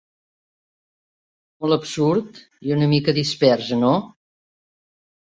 Molt absurd, i una mica dispers, no?